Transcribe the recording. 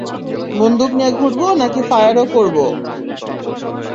বন্দুক নিয়ে ঘুরব নাকি ফায়ারও করব?